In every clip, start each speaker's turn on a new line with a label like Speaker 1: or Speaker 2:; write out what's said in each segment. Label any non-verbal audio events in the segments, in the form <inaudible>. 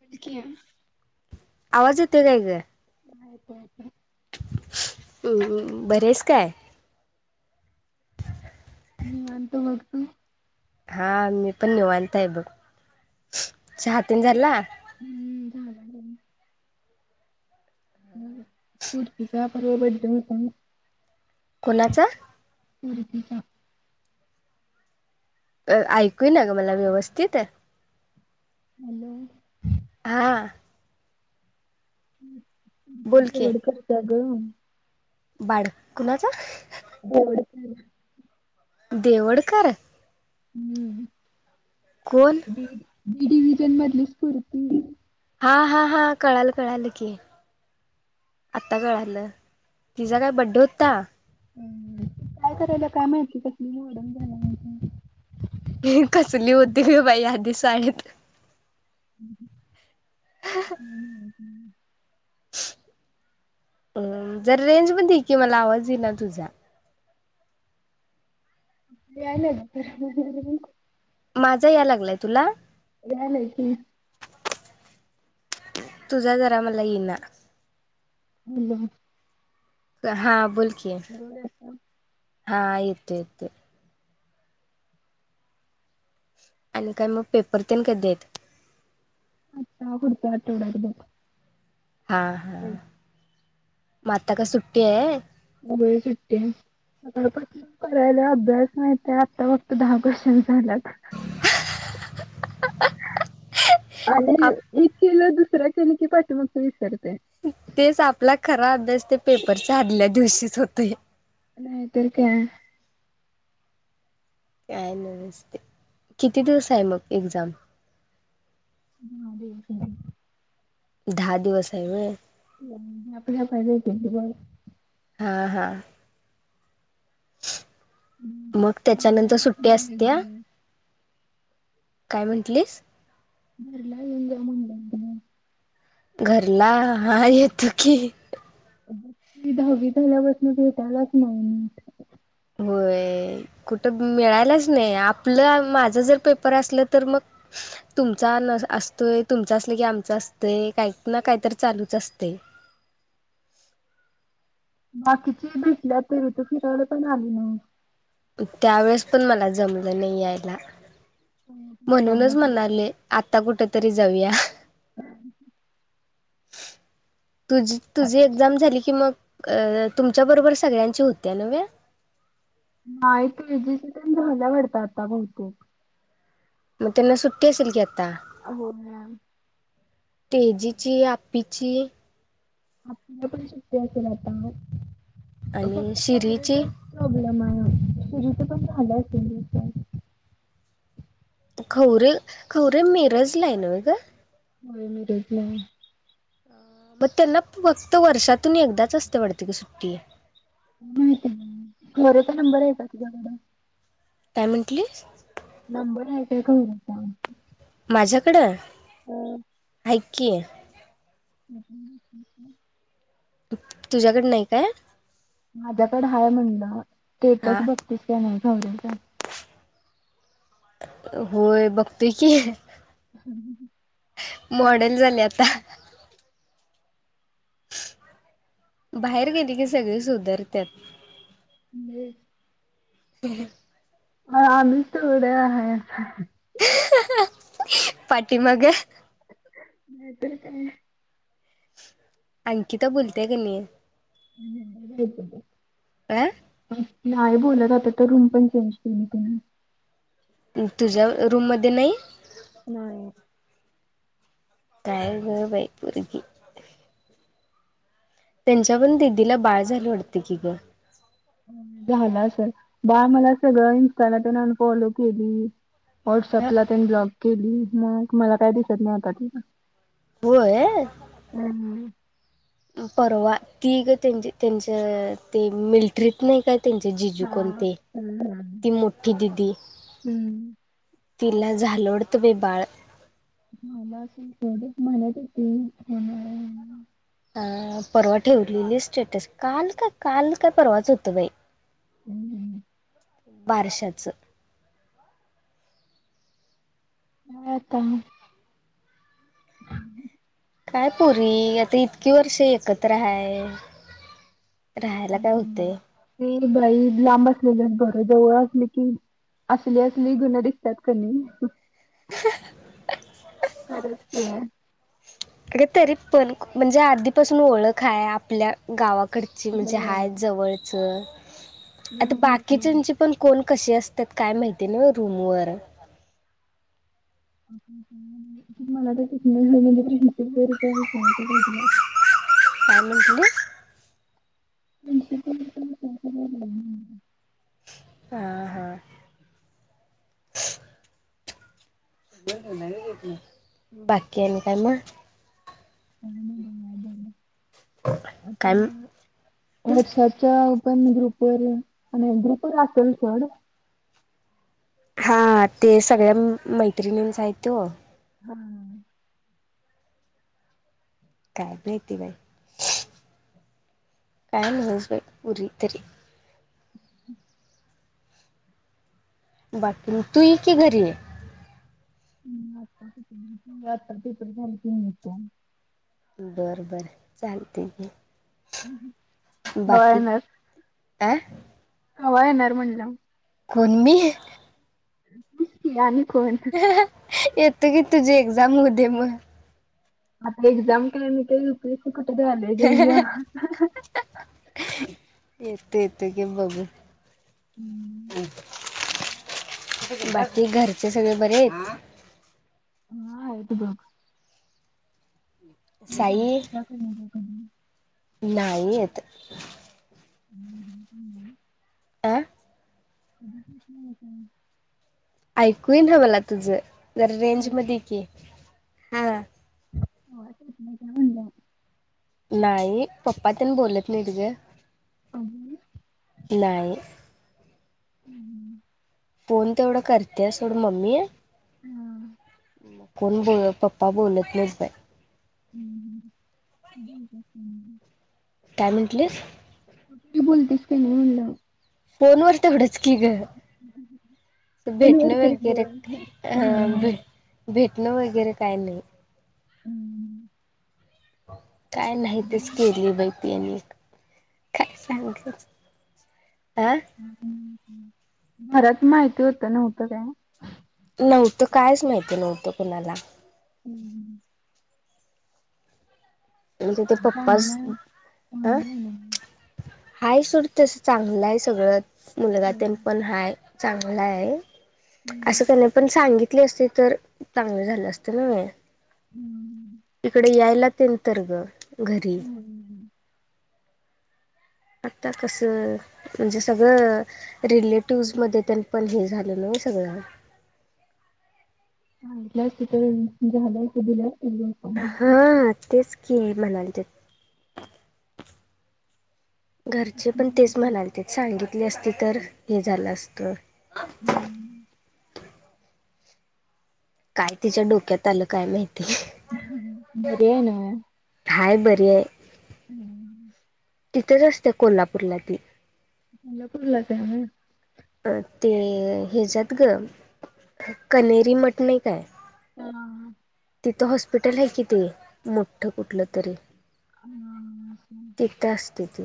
Speaker 1: बलकिम
Speaker 2: आवाज येतोय काय गं
Speaker 1: वायपॅफ्या
Speaker 2: हम्म बरी आहेस का
Speaker 1: निवांत बघ तु
Speaker 2: हा मी पण निवांत आहे बघ चहातेन झाला
Speaker 1: हम्म झाला बघ स्फूर्ती चा परवा बडे होता ना
Speaker 2: कोणाचा
Speaker 1: स्फूर्ती चा
Speaker 2: अ ऐकू येईना ग मला व्यवस्थित
Speaker 1: हॅलो
Speaker 2: हा बोल की
Speaker 1: दोड कट चा ग
Speaker 2: बाड कुणाचा
Speaker 1: एवड झाल
Speaker 2: देवडकर
Speaker 1: हम्म
Speaker 2: कोण?
Speaker 1: बी बी डिव्हजन मधली स्फूर्ती
Speaker 2: हा हा हा कळाल कळाल की आता कळाल तिचा काय बड्डे होता
Speaker 1: हम्म काय कराल्या काय माहिती कसली मॉडर्न झाल्या
Speaker 2: ही कसली होती ग बाई आधी साळेत
Speaker 1: <unintelligible>
Speaker 2: अ जरा रेंज मध्ये ये की मला आवाज ईना तुझा.
Speaker 1: याल्यात.
Speaker 2: माझा यालागलाय तुला.
Speaker 1: यायलय की
Speaker 2: तुझा जरा मला ईना.
Speaker 1: हॅलो.
Speaker 2: हा बोल. की
Speaker 1: गोड आहेत न
Speaker 2: हा ेत ययेत. आणि काय मग पेपर तेन कधेत.
Speaker 1: आता पुढच्या आठवड्यात बघ.
Speaker 2: हां हा आता का सुट्टी आहे.
Speaker 1: होय सुट्टी आहे. सकाळपासून करायला अभ्यास माहतय आता फक्त दहा क्श्चन. झाल्यात आणि
Speaker 2: आप
Speaker 1: एक किलो दुसऱ्या केलं की पाठीमागचे विसरतोय.
Speaker 2: तेच आपला खरा अभ्यास. ते पेपर दल्या दिवशीच होतेय.
Speaker 1: नाहीतर काय
Speaker 2: काय न नसते किती दिवस आहे मग एक्झाम.
Speaker 1: <unintelligible>
Speaker 2: दहा दिवस आहे होय.
Speaker 1: आपल्या
Speaker 2: हां हां मग
Speaker 1: घरला
Speaker 2: त्याच्यानंतर
Speaker 1: एक
Speaker 2: सुट्टी
Speaker 1: पाहिजे एक
Speaker 2: असत्या.
Speaker 1: दिवस
Speaker 2: काय म्हंटलीस.
Speaker 1: बरला येंग म्हणलं.
Speaker 2: घरला हा येतो की.
Speaker 1: बी दहावी झाल्यापासून भेटायलाच नाही.
Speaker 2: होय कुठं मिळायलाच नाही आपलं माझं जर पेपर असलं तर मग. तुमचा न असतोय तुमच असल की आमच असतंय काही ना काहीतरी चालूच असते. <unintelligible>
Speaker 1: बाकीची भेटल्या तरी तू फिरावला पण आली ना.
Speaker 2: त्यावेेळेस पण मला जमलं नाही यायला
Speaker 1: गावाला
Speaker 2: म्हणूनच
Speaker 1: गेली.
Speaker 2: म्हणाले आता कुठेतरी जाऊया.
Speaker 1: हम्
Speaker 2: <unintelligible> तु तुझी एक्झाम झाली की मग तुमच्या बरोबर सगळ्यांची होती नव्या. <inaudible>
Speaker 1: नाही ते जितिन झाल्या वाटतं बहुतेक.
Speaker 2: मग त्यांना सुट्टी असेल की. आता
Speaker 1: हो मॅम.
Speaker 2: तेजीची आपीची.
Speaker 1: आपल्या पण शट्ट्य असेल आता
Speaker 2: आणि
Speaker 1: फक्त
Speaker 2: शिरीची
Speaker 1: त्यावरेचच प्रॉब्लेम आहे. तेजीची पण झाल्यात <inaudible>
Speaker 2: खवरे खवरे मिरज मिरजला आहे नव्ह ग.
Speaker 1: होय मिरज ला.
Speaker 2: अ मग त्यांना फक्त वर्षातून एकदाच असते पडते काी सुट्टी.
Speaker 1: माहिती खर्याचा नंबर आहे का तुझ्याकड.
Speaker 2: काय म्हटलीस.
Speaker 1: नंबर आहे काय.
Speaker 2: माझ्याकडें
Speaker 1: हम्.
Speaker 2: ऐक की.
Speaker 1: हम् ह् हम्.
Speaker 2: तुझ्याकड नाही काय?
Speaker 1: माझ्याकडे हय म्हणलं,
Speaker 2: हा
Speaker 1: स्टेटस बघतीस काय नाही गौरीच?
Speaker 2: होय बघतोय की.
Speaker 1: हम्म ह.
Speaker 2: मॉडर्न झाले आता. बाहेर गेली की सगळी सुधरत्यात.
Speaker 1: म्हणजे?
Speaker 2: <unintelligible>
Speaker 1: आ आम्ही तेवढं हाय.
Speaker 2: पाठी मागं.
Speaker 1: नाही तर काय?
Speaker 2: अंकिता बोलत्या काय नाही?
Speaker 1: <inaudible>
Speaker 2: आ?
Speaker 1: नाही बोलत आता तर रूम पण चेंज केली तिन.
Speaker 2: अं तुझ्या रूम मध्ये नाही?
Speaker 1: नाही.
Speaker 2: काय ग बाई पुरगी. त्यांच्या पण दिदीला बाळ झालंय वाटतंय की गं.
Speaker 1: झालं असेल बाळ मला सगळं इंस्टाला तेन अनफॉलो केली.
Speaker 2: ह
Speaker 1: व्हॉट्सअपला तेन ब्लॉक केली. मग मला काय दिसत नाही आता तीजं.
Speaker 2: होय?
Speaker 1: हम्म
Speaker 2: परवा ती ग त्यांची त्यांच्या ते मिलटरीत नाही काय? त्यांचे जिजू
Speaker 1: हा
Speaker 2: कोणते
Speaker 1: हम्म हम्म.
Speaker 2: ती मोठी दिदी
Speaker 1: हम्म
Speaker 2: तिला झालं वाटतं बाई बाळ.
Speaker 1: मला असं तेवढं म्हणत होती होणार आहे <inaudible>
Speaker 2: अ परवा ठेवलेली स्टेटस. काल काय काल काय परवाच होतं बाई.
Speaker 1: हम्म.
Speaker 2: बारशाचं.
Speaker 1: काय आता <inaudible>
Speaker 2: काय पोरी आता इतकी वर्ष एकत्र हाय. राहायला काय होतय.
Speaker 1: हम्म तेर बाई इ लांब असलेलंच बरं. जवळ असली कि असली असली गुणं दिसत्यात कनी
Speaker 2: <unintelligible>
Speaker 1: खरंच की.
Speaker 2: अगं तरी पण म्हणजे आधीपासून ओळख हाय. आपल्या गावा कडची म्हणजे हय
Speaker 1: हम्म.
Speaker 2: जवळचं. आता
Speaker 1: नाही तेच ना.
Speaker 2: बाकीच्यांची पण कोण कशी असत्यात काय माहिती ना रूमवर.
Speaker 1: मला तर तीतनं <inaudible>
Speaker 2: काय म्हंटलीस?
Speaker 1: <inaudible>
Speaker 2: हा हा. बाकी आणि काय मग?
Speaker 1: <inaudible>
Speaker 2: काय
Speaker 1: आता मिक्सरच्या प ग्रुपवर आणि ग्रुपवर असल सोड.
Speaker 2: हा ते सगळ्या मैत्रिणींचा हाय त्यो
Speaker 1: हा.
Speaker 2: काय माहिती बाई काय नव्ह पोरी तरी बाकी तु ये की घरी
Speaker 1: उम्म आता <inaudible> आता पेपर झालीत की मग येतो.
Speaker 2: बर बर चालतंय घे
Speaker 1: कवा येणार?
Speaker 2: आ
Speaker 1: कवा येणार म्हणलं
Speaker 2: कोण मी?
Speaker 1: तूच की आनी
Speaker 2: येतो की तुझी एक्झाम होऊ दे मग
Speaker 1: आपली एक्झाम काय नेहमीच होते कुठ द आले <unintelligible>
Speaker 2: येतो येतो की बघु बाकी घरचे सगळे बरे आहेत.
Speaker 1: हायत बघ
Speaker 2: साई
Speaker 1: <unintelligible>
Speaker 2: नाहीयेत
Speaker 1: हम्म <unintelligible>
Speaker 2: आं
Speaker 1: <unintelligible>
Speaker 2: ऐकू येईना मला तुझं जरा रेंज मदे ये
Speaker 1: आवाज
Speaker 2: की हा
Speaker 1: <unintelligible>
Speaker 2: नाही पप्पा त्यांनी बोलत नाही त गं
Speaker 1: अ
Speaker 2: नाही.
Speaker 1: हम्म.
Speaker 2: फोन तेवढा करत्या सोड मम्मी
Speaker 1: हा.
Speaker 2: कोण बोलत पप्पा बोलत नाहीत बाय
Speaker 1: <unintelligible>
Speaker 2: काय म्हणटलीस?
Speaker 1: तू बोलतेस का नाही म्हणलं
Speaker 2: फोन वर तेवढच की ग भेटण
Speaker 1: फोनवर तरी बोल.
Speaker 2: वगैरे अह भे
Speaker 1: हा
Speaker 2: भेट भेटन वगैरे काही नाही
Speaker 1: हम्म.
Speaker 2: काय नाही तेच केलीय बाई <unintelligible> काय सांगितलं अह
Speaker 1: घरात माहिती होतं नव्हतं काय
Speaker 2: नव्हतं कायच माहिती नव्हतं कुणाला
Speaker 1: हम्म
Speaker 2: <unintelligible> ते पप्पा
Speaker 1: चांगला
Speaker 2: हा
Speaker 1: चांगलं आहे ना
Speaker 2: हाय सोड तस चांगलं आहे सगळं मुलगा तेन
Speaker 1: हम्म
Speaker 2: पण हाय चांगला आहे असं
Speaker 1: हम्म
Speaker 2: त्यांना पण सांगितले असते तर चांगलं झालं असतं न व्हय
Speaker 1: हम्म.
Speaker 2: ते नंतर ग घरी
Speaker 1: हा हा.
Speaker 2: आता कस म्हणजे सगळं रिलेटिव मध्ये तरी पण हे झालं नव सगळ
Speaker 1: <unintelligible> जॉब
Speaker 2: अगं तेच की म्हणाले घरचे पण तेच म्हणाल ते सांगितले असते तर हे झालं असतं
Speaker 1: हम्म
Speaker 2: काय तिच्या डोक्यात आलं काय माहिती
Speaker 1: ह बरी हाय नव
Speaker 2: हाय बरी आहे
Speaker 1: हम्म
Speaker 2: तिथेच असते कोल्हापूरला ती
Speaker 1: सलापुरला तेम
Speaker 2: अ ते हच्याात ग कनेरी मटण काय
Speaker 1: हा
Speaker 2: तिथं हॉस्पिटल आहे कि ते मोठठं कुठलं तरी
Speaker 1: ह
Speaker 2: तेथ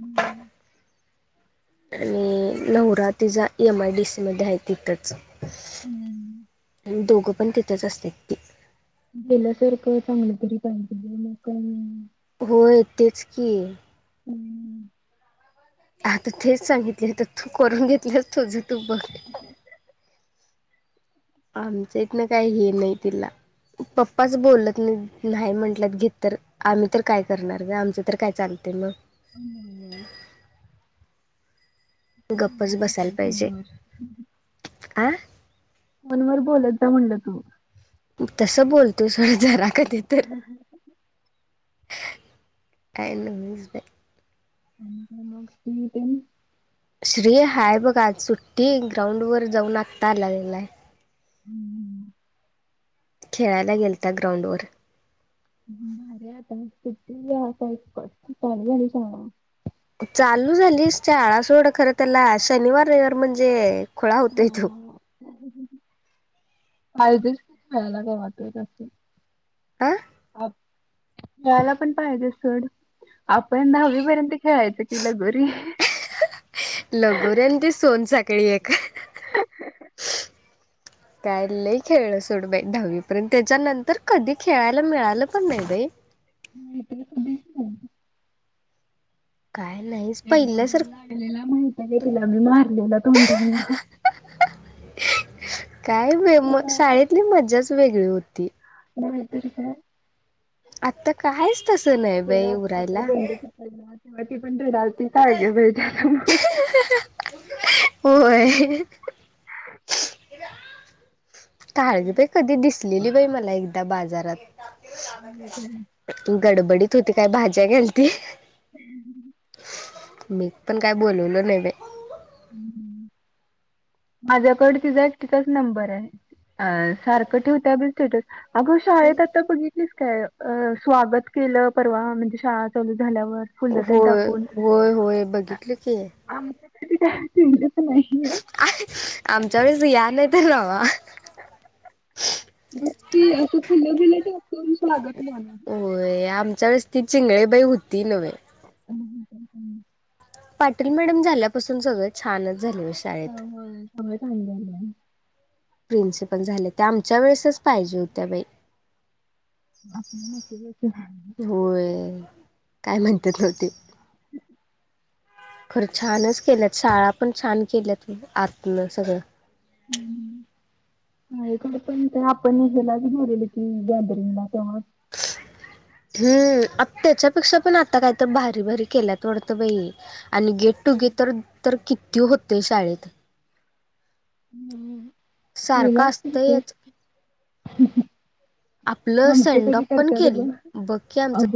Speaker 1: हम्म
Speaker 2: आणि नवरा तिचाा ए एम आय डी सी मध्ये आहे तिथंच
Speaker 1: हम्
Speaker 2: दोघं पण तिथंच असत ती
Speaker 1: गल्यासारखं चांगलं तरी पाहिे मग का
Speaker 2: होय तेच की
Speaker 1: हम्म
Speaker 2: आता तेच सांगितले आता तू करून घेतलंच तोझुट्यूब बघ आमच्या इथनं काही हे नाही तिला पप्पाच बोलत नाही नाही म्हंटलंत घेत तर आम्ही तर काय करणार ग आमचं तर काय चालते मग
Speaker 1: होय. ह
Speaker 2: गप्पच
Speaker 1: ज
Speaker 2: बसायला
Speaker 1: काय सोमर
Speaker 2: ह
Speaker 1: फोन वर बोलत जा म्हणलं तू
Speaker 2: तसं बोलतो सळजरा
Speaker 1: हम ह
Speaker 2: स बे
Speaker 1: आणि म
Speaker 2: श्री हाय बघा सुट्टी ग्राउंड वर जाऊन आकता आ लालाय
Speaker 1: हम्म
Speaker 2: खेळायला गेलता ग्राउंडवर
Speaker 1: मार्याता म किती आ पाणीयाली जा
Speaker 2: चालू झालीस शाळा सोड खरं त्याला शनिवार रविवार म्हणजे खोळा होतोय तो
Speaker 1: पायजेच खेळायला काय वाट असे
Speaker 2: आ
Speaker 1: यायला पण पाहिजे सड आपण दहावीपर्यंत खेळायचं कि लगोरी
Speaker 2: केळी एक का <unintelligible> त्याय ल खेळलं सोड बाई दहावीपर्यंत त्याच्यानंतर कधी खेळायला मिळालं पण नाही राई
Speaker 1: मीध
Speaker 2: काय नाहीच
Speaker 1: एकदा बोल
Speaker 2: पहिल्यासारख
Speaker 1: लागलेला माहित आहे तिला मी मारलेला तोंडाना
Speaker 2: काय म शाळेतली मज्जाच वेगळी होती
Speaker 1: का
Speaker 2: आता कायच तसं नाही बाई उरायला
Speaker 1: बंद वी पण ते राहती काय गे बा त्या समोर
Speaker 2: होय काळगी प कधी दिसलेली बाई मला एकदा बाजारात
Speaker 1: ह का
Speaker 2: गडबडीत होती काय भाज्या घालती
Speaker 1: हम्म
Speaker 2: मी पण काय बोलवलो नाही बा
Speaker 1: माझ्याकड तिचा तिचाच नंबर आहे अ सारखं ठेवत बि स्टेटस अगं शाळेत आता बघितलीस काय स्वागत परवा म्हणजे शाळा चालू झाल्यावर फुल तेन
Speaker 2: होय
Speaker 1: टाकून
Speaker 2: होय होय बघितलं की.
Speaker 1: त
Speaker 2: आमच्या वळेच या नाही ते जावा
Speaker 1: बक्की अस अस फुल बिले टाकून स्वागत
Speaker 2: होय आमच्या वेलेस चिंगळेबाई हो
Speaker 1: हम्
Speaker 2: पाटील मॅडम झाल्यापासून सगळं छानच झालेलं
Speaker 1: स
Speaker 2: शाळेत.
Speaker 1: सगळं चांगले झाले
Speaker 2: प्रिन्सिपल झाले त्या आमच्या वेळेसच पाहिजे होत्या बाई
Speaker 1: आप मशीच
Speaker 2: होय. काय म्हणतात नव्हते खरं छानच केल्यात शाळा पण छान केल्यात आतन सगळं हम
Speaker 1: ह का पण आपण हेला की मे लकी गॅदरिंगला चह
Speaker 2: हम्म आ त्याच्यापेक्षा पण आता काय तर भारी भारी केल्यात वाडतं बाई आणि गेट टुगेदर तर किती होते शाळेत
Speaker 1: <inaudible> केली
Speaker 2: सारखं
Speaker 1: असतील
Speaker 2: असतंयच
Speaker 1: सोड
Speaker 2: आपलं सेंडोफ पण केल बघ आमच